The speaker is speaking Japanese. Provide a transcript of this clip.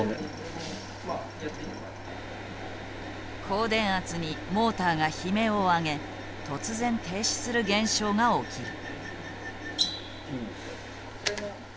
高電圧にモーターが悲鳴を上げ突然停止する現象が起きる。